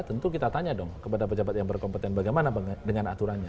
tentu kita tanya dong kepada pejabat yang berkompeten bagaimana dengan aturannya